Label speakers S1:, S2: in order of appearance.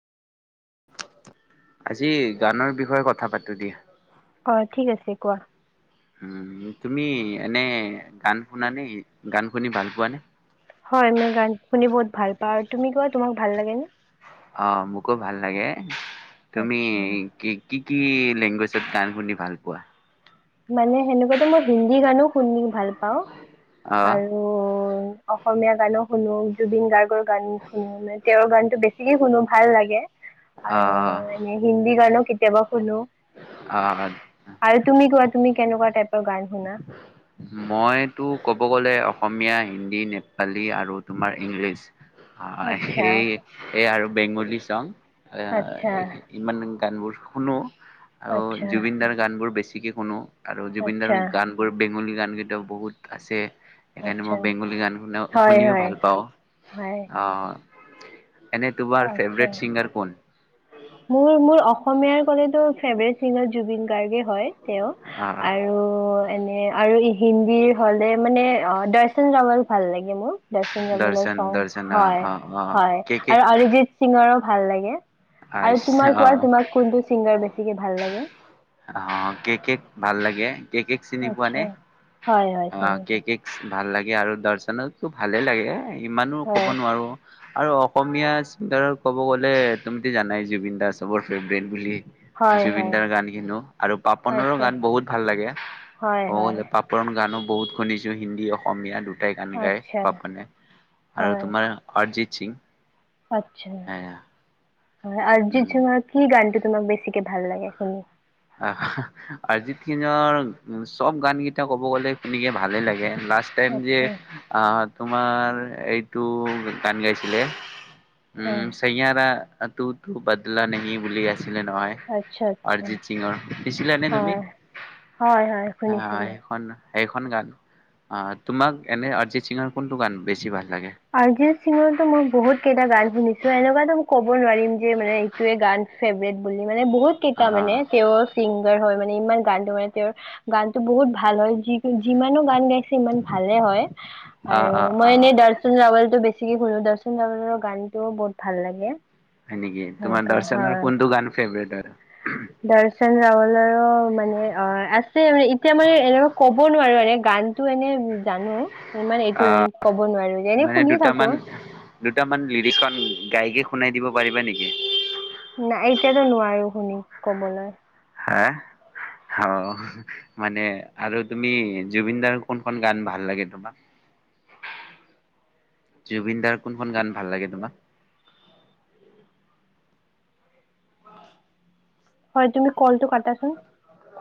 S1: আজি গানৰ বিষয়ে কথা পাতোঁ দিয়া।
S2: অ' ঠিক আছে কোৱা।
S1: উ তুমি এনে গান শুনানে? গান শুনি ভাল পোৱাানে?
S2: হয় মই গান শুনি বহুত ভাল পাওঁ আৰু তুমি কোৱা তোমাক ভাল লাগে নে?
S1: অ' মোকো ভাল লাগে। তুমি
S2: আচ্ছা
S1: কি কি? কি লেংগুৱেজত গান শুনি ভাল পোৱা?
S2: মানে সেনেকুৱাতো মই হিন্দী গানো শুনি ভাল পাওঁ
S1: অ',
S2: আৰু অসমীয়া গানো শুনো জুবিন গাৰ্গৰ গান শুন নাই তেওঁৰ গান বেছিকে শুনো ভাল লাগে আৰু
S1: অ',
S2: এনে হিন্দী গানো কেতিয়াবা হেল্ল
S1: অ'।
S2: আৰু তুমি কোৱা তুমি কেনেকুৱা টাইপ
S1: মইতো ক'ব গ'লে অসমীয়া হিন্দী নেপালী আৰু তোমাৰ ইংলিছ অ
S2: আচ্ছা
S1: সেই এই আৰু বেংগলী চং
S2: আচ্ছা
S1: ইমানন গানবোৰ শুনো আৰু
S2: আচ্ছা
S1: জুবিন দাৰ গান বোৰ বেছি ঠিকে শুনো আৰু জুবিন দাৰ
S2: আচ্ছা
S1: বেংগূলী গানকেইটা বহুত আছে সেইকাৰণে
S2: আচ্ছা
S1: মই বেংগূলী গান শু
S2: হয়
S1: শুনিও
S2: হয়
S1: ভাল পাওঁ
S2: হয়
S1: অহ এনে তোমাৰ
S2: আচ্ছা
S1: ফেভৰেট চিংগাৰ কোন
S2: মোৰ মোৰ অসমীয়াৰ কলেতো ফেভাৰেট ছিংগাৰ জুবিন গাৰ্গে হয় তেওঁ
S1: আহ
S2: আৰু এনে আৰু ই হিন্দীৰ হলে মানে অ দৰ্শন ৰাৱাল ভাল লাগে মোৰ দৰ্শন ৰাৱলৰ চাও
S1: দৰ্শন আহ
S2: হয়
S1: আহ আহ কে
S2: হয়
S1: কে
S2: আৰু অৰিজিত সিঙৰো ভাল লাগে
S1: আহ
S2: আৰু তোমাৰ কোৱাৰ তোমাৰ কোনটো ছিংগাৰ বেছি বেছিকে ভাল লাগে
S1: অ কে কে ভাল লাগে কেকক চিনি পোৱা
S2: আচ্ছা
S1: নে
S2: হয় হয়
S1: অ
S2: চিনি পাওঁ
S1: কেকেক ভাল লাগে আৰু দৰ্শনতো ভালে লাগে ইমানো ক'ব নোৱাৰোঁ আৰু অসমীয়া চিংগাৰৰ ক'ব গলে তুমিতো জানাই জুবিন দা চবৰ ফেভৰেট বুলি
S2: হয় হয়
S1: জুবিনদাৰ
S2: হয়
S1: গানেই আৰু পাপনৰো
S2: আচ্ছা
S1: গান বহুত ভাল লাগে
S2: হয় হয়
S1: পাপন গানো বহুত শুনিছো হিন্দী অসমীয়া দু গান গায়
S2: আচ্ছা
S1: পাপননে আৰু
S2: হয়
S1: তোমাৰ অজিত বৰ্জি
S2: আচ্ছা। হয় অৰিজিত
S1: উম
S2: চিঙৰ কি গানটো তোমাক বেচিকে ভাল লাগে শুনি?
S1: আহ অৰিজিত চিঙৰ চব গান কেইটা ক'ব গ'লে শুনিকে ভালে লাগে। লাষ্ট টাইম যে
S2: আচ্ছা
S1: আ তোমাৰ এইটো গান গাইছিলে।
S2: হয়
S1: উম চেয়াৰা তোৰ তো বাদলা ন বুলি আছে ছিঙে নহয়
S2: আচ্ছা আচ্ছা
S1: আৰিজিত- দিছিলা নে তুমি
S2: হয় হয় হয়
S1: অ
S2: শুনিছিলো
S1: সেইখন সেখন গান অ তোমাক এনে অৰিজিত সিঙৰ কোনটো গান বেছি ভাল লাগে?
S2: অৰিজিত সিঙৰতো মই বহুত কেইটা গান শুনিছো। এনেকুৱাতো ক'ব নোৱাৰিম যে মানে এইটোয়ে গান ফেভৰেট বুলি। মানে বহুত কেইটা
S1: আহ
S2: মানে তেওঁৰ ছিংগাৰ হয় মানে- যিমান ইমান গানতটো মানে তেওঁৰ গানতটো বহুত ভাল হয় যি যিমানো গান গাই ইমান ভালে হয়
S1: আহ
S2: আৰু
S1: আহ
S2: মই
S1: আহ
S2: এনে তৱল টো বেছিক কি শুনো দৰ্শন তৱলৰ গান ও বহুত ভাল লাগে।
S1: হয় নেকি তোমাৰ
S2: সেনেকুৱা
S1: দৰ্শনৰ
S2: হয়
S1: কোনটো গান ফেভৰেট হয়?
S2: দৰ্শন ৰাওল আৰু মানে অ আছে মানে এতিয়া মানে এনেকুৱা ক'ব নোৱাৰো এনে গানতো এনে জানো। ইমান এইটো
S1: আহ
S2: ক'ব নোৱাৰো এনে
S1: মানে
S2: শুনি থাকো
S1: দুটামান দুটামান লিৰিকন গাইকে শুনাই দিব পাৰিবা নেকি?
S2: না এতিয়াতো নোৱাৰো শুনি কবলৈ।
S1: হা অ মানে আৰু তুমি জুবিনদাৰ কোনখন গান ভাল লাগে তোমাৰ জুবিন দাৰ কোনখন গান ভাল লাগে তোমাক?
S2: হয় তুমি কলটো কাটাচোন।